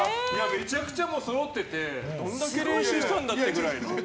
めちゃくちゃそろっててどんだけ練習したんだってぐらい。